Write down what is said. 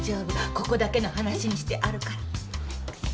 ここだけの話にしてあるから。